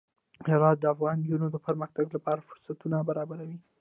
هرات د افغان نجونو د پرمختګ لپاره فرصتونه برابروي.